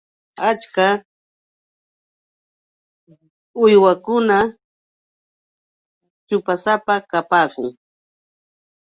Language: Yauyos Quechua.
Achka uywakunam ćhupasapa kapaakun.